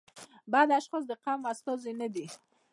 بد اشخاص د قوم استازي نه دي.